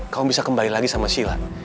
kamu bisa kembali lagi sama silat